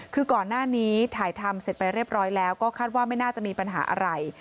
คือก่อนหน้านี้ถ่ายทำเสร็จไปเรียบร้อยแล้วก็คาดว่าไม่น่าจะมีปัญหาอะไร